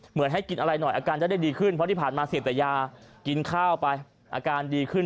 เหมือนให้กินอะไรหน่อยอาการจะได้ดีขึ้นเพราะที่ผ่านมาเสพแต่ยากินข้าวไปอาการดีขึ้น